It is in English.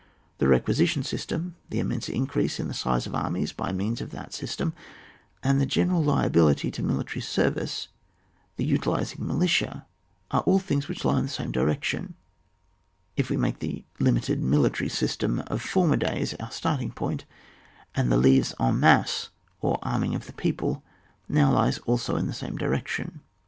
The requi sition system, the immense increase in the size of arxoies by means of that system, and the general liability to mili tary service, the utilizing militia, are all things which lie in the same direc tion, if we make the limited military system of former days our starting point ; and the Uvee en masse^ or arming of the people, now lies also in the same direction.